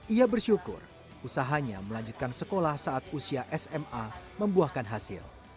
ia bersyukur usahanya melanjutkan sekolah saat usia sma membuahkan hasil